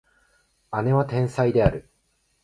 妹は天才である